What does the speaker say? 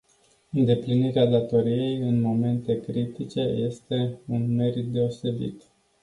Îndeplinirea datoriei, în momente critice este unmerit deosebit.